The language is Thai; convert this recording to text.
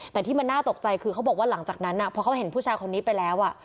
แต่ที่มันน่าตกใจคือเขาบอกว่าหลังจากนั้นพอเขาเห็นผู้ชายคนนี้ไปแล้ว